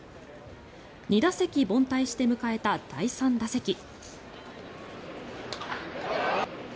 ２打席凡退して迎えた第３打席。